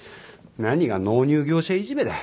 何が納入業者いじめだ。